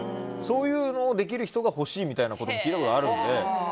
そういうのをできる人が欲しいみたいなこと聞いたことあるので。